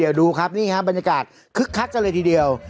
เดี๋ยวดูครับนี่ครับบรรยากาศคึกคักกันเลยทีเดียว